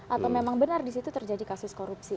atau memang benar disitu terjadi kasus korupsi